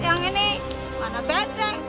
enggak ada ojek